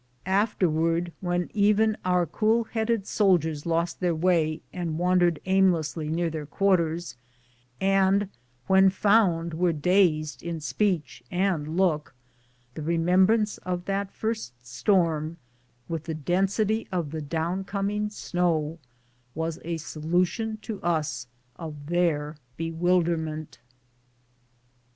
Afterwards, when even our cool headed soldiers lost their way and wandered aimlessly near their quarters, and when found were dazed in speech and look, the remembrance of that first storm, with the density of tlie down coming snow, was a solution to us of their be wilderment.